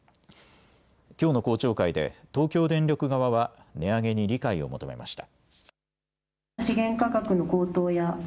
きょうの公聴会で東京電力側は値上げに理解を求めました。